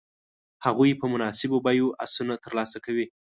هغوی په مناسبو بیو آسونه تر لاسه کوي.